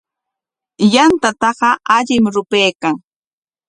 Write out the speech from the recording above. Yantataqa allim rupaykan.